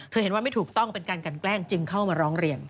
เห็นว่าไม่ถูกต้องเป็นการกันแกล้งจึงเข้ามาร้องเรียน